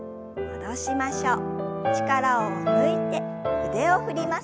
戻しましょう。